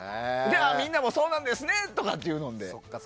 みんなもそうなんですねとかっていうので。